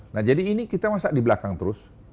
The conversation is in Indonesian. nah jadi ini kita masak di belakang terus